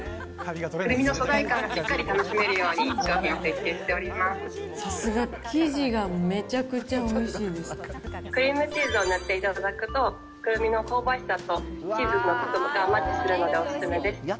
クルミの素材感をしっかりと楽しめるように商品を設計しておさすが、生地がめちゃくちゃクリームチーズを塗っていただくと、くるみの香ばしさとチーズがとてもマッチするのでお勧めです。